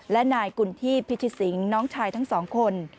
และนายกุณที่พิชิสิงศ์น้องชายทั้งสองคน